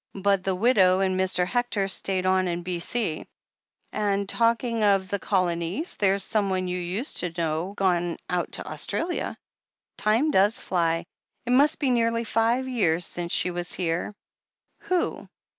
But the widow and Mr. Hectoa:*^tayed on in B.C. And talking of the Colonies, there's someone you used to know gone out to Australia. Time does flyl It must be nearly five years since she was here." "Who?"